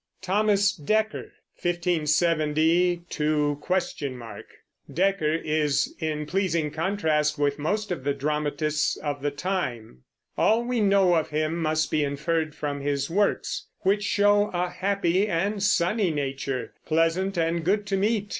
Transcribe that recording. THOMAS DEKKER (1570 ?). Dekker is in pleasing contrast with most of the dramatists of the time. All we know of him must be inferred from his works, which show a happy and sunny nature, pleasant and good to meet.